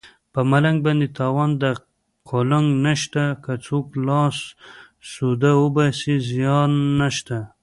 په ملنګ باندې تاوان د قلنګ نشته که څوک لاس سوده وباسي زیان نشته